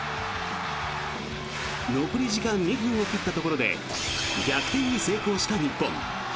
残り時間２分を切ったところで逆転に成功した日本。